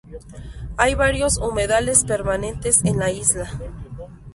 Hay varios humedales permanentes en la isla.